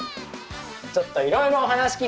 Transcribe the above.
ちょっといろいろお話聞いていっていい？